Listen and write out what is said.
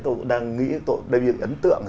tôi đang nghĩ tôi đầy ấn tượng